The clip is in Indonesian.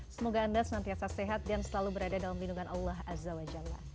semoga anda senantiasa sehat dan selalu berada dalam lindungan allah azza wa jalla